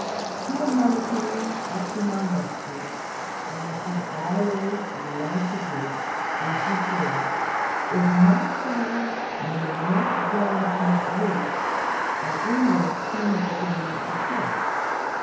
Here mother came up to my rescue, as she always loved to do; and she said, 'If my son may not dance Miss Ruth, at any rate he may dance with her.